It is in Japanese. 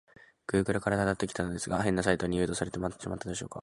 グーグルから辿ってきたのですが、変なサイトに誘導されてしまったのでしょうか？